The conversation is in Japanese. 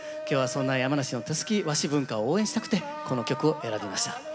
今日はそんな山梨の手すき和紙文化を応援したくてこの曲を選びました。